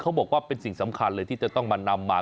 บอกว่าเป็นสิ่งสำคัญเลยที่จะต้องมานำมา